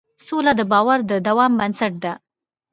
سوله د باور د دوام بنسټ ده.